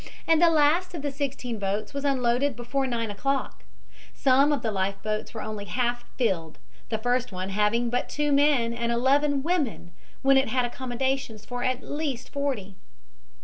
"And the last of the sixteen boats was unloaded before nine o'clock. Some of the life boats were only half filled, the first one having but two men and eleven women, when it had accommodations for at least forty.